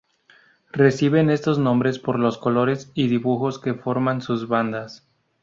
Reciben estos nombres por los colores y dibujos que forman sus bandas.